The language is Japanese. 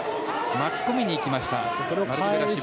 巻き込みに行きました。